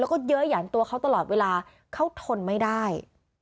แล้วก็เยอะหยันตัวเขาตลอดเวลาเขาทนไม่ได้